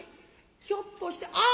「ひょっとしてあっ！」。